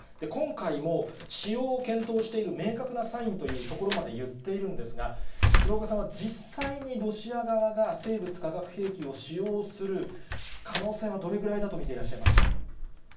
今回も使用を検討している明確なサインというところまで言っているんですが、鶴岡さんは実際にロシア側が生物化学兵器を使用する可能性はどれぐらいだと見ていらっしゃいますか。